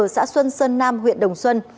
xã xuân sơn nam huyện đồng xuân